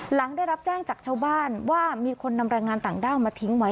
หลังได้รับแจ้งจากชาวบ้านว่ามีคนนำแรงงานต่างด้าวมาทิ้งไว้